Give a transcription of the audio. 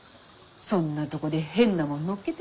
そんなとこで変なもん乗っけてないでさ。